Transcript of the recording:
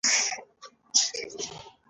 په زړه پورې ځای دی، دلته کښېنه.